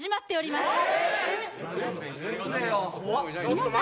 皆さん